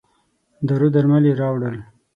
دارو درمل یې راووړل.